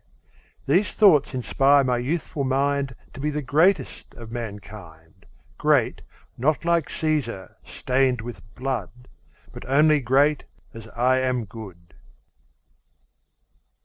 These thoughts inspire my youthful mind To be the greatest of mankind: Great, not like Cæsar, stained with blood, But only great as I am good.